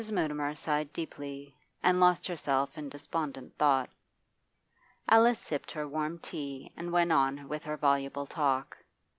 Mrs. Mutimer sighed deeply, and lost herself in despondent thought. Alice sipped her tea and went on with her voluble talk.